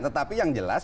tetapi yang jelas